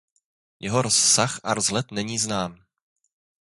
Jeho rozsah a vzhled není znám.